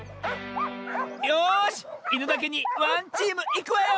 よし犬だけにワンチームいくわよ！